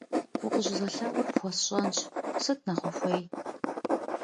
Укъыщӏызэлъэӏур пхуэсщӏэнщ, сыт нэхъ ухуей?